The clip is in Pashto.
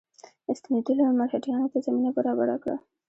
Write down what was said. ستنېدلو مرهټیانو ته زمینه برابره کړه.